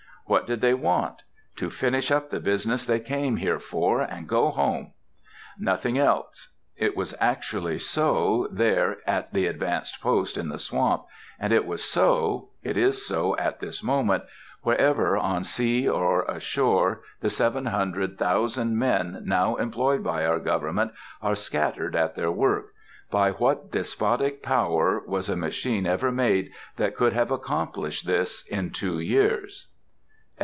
What did they want? "To finish up the business they came here for, and go home." Nothing else. It was actually so there at the advanced post in the swamp, and it was so—it is so at this moment—wherever, on sea or ashore, the seven hundred thousand men now employed by our government are scattered at their work. By what despotic power was a machine ever made that could have accomplished this, in two years?